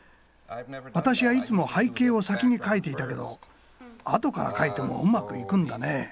私はいつも背景を先に描いていたけどあとから描いてもうまくいくんだね。